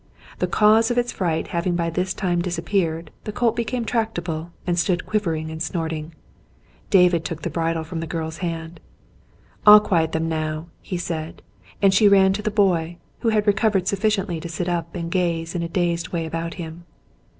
The cause of its fright having by this time disappeared, the colt became tractable and stood quivering and snorting, as David took the bridle from the girl's hand. "I'll quiet them now," he said, and she ran to the boy, who had recovered sufficiently to sit up and gaze in a dazed way about him.